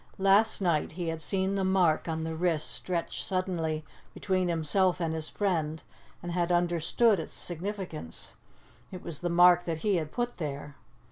Last night he had seen the mark on the wrist stretched suddenly between himself and his friend, and had understood its significance. It was the mark that he had put there.